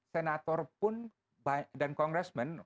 senator pun dan congressman